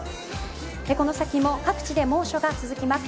この先も各地で猛暑が続きます。